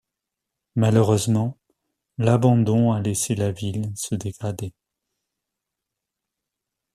Malheureusement, l'abandon a laissé la ville se dégrader.